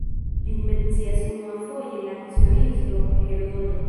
Lin mencias unuafoje la historiisto Herodoto.